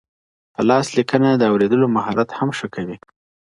په لاس لیکلنه د اوریدلو مهارت هم ښه کوي.